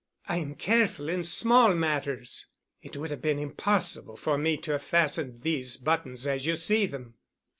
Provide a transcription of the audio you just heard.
I am careful in small matters. It would have been impossible for me to have fastened these buttons as you see them."